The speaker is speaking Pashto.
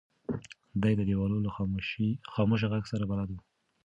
دی د دیوالونو له خاموشه غږ سره بلد و.